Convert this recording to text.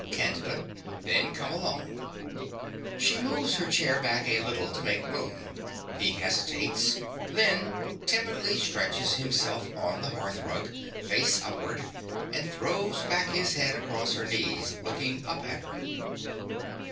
CANDIDA. Then come along. (She moves her chair back a little to make room. He hesitates; then timidly stretches himself on the hearth rug, face upwards, and throws back his head across her knees, looking up at her.)